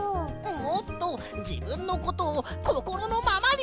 もっとじぶんのことをこころのままにいうんだよ！